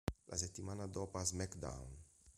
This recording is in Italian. La settimana dopo a "Smackdown!